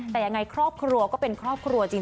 แต่ยังไงครอบครัวก็เป็นครอบครัวจริง